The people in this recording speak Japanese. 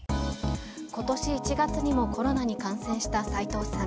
ことし１月にもコロナに感染した斉藤さん。